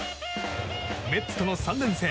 メッツとの３連戦。